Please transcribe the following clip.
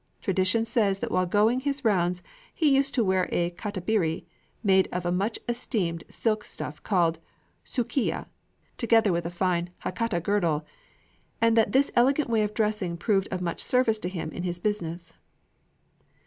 Tradition says that while going his rounds he used to wear a katabira made of a much esteemed silk stuff called sukiya, together with a fine Hakata girdle; and that this elegant way of dressing proved of much service to him in his business.